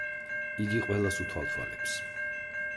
იგი ყველას უთვალთვალებს.